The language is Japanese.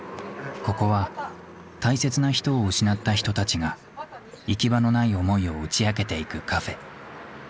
ここは大切な人を失った人たちが行き場のない思いを打ち明けていくカフェ。